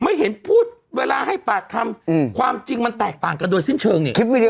ไม่เห็นพูดเวลาให้ปากคำความจริงมันแตกต่างกันโดยสิ้นเชิงเนี่ย